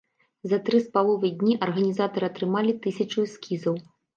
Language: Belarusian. За тры з паловай дні арганізатары атрымалі тысячу эскізаў.